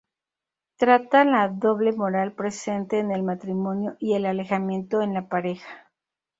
Trata la doble moral presente en el matrimonio y el alejamiento en la pareja.